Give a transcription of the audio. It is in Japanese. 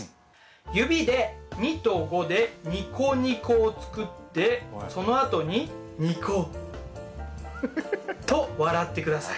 指で２と５でニコニコを作ってそのあとにニコッ。と笑って下さい。